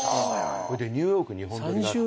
ニューヨーク２本撮りがあって。